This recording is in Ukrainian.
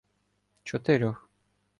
Чотирьох